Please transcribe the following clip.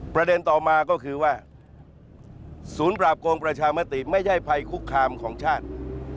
ประเด็นต่อมาก็คือว่าศูนย์ปราบโกงประชามติไม่ใช่ภัยคุกคามของชาติ